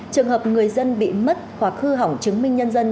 trường hợp người dân bị mất hoặc hư hỏng chứng minh nhân dân